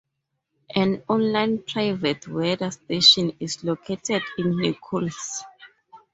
An online private weather station is located in Nicholls.